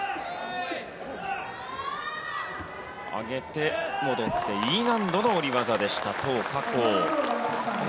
上げて、戻ってＥ難度の下り技でしたトウ・カコウ。